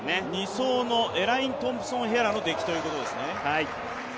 ２走のエライン・トンプソン・ヘラの出来ということですね。